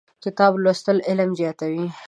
کتاب لوستل علم زیاتوي.